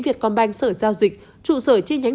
việt com banh sở giao dịch trụ sở chi nhánh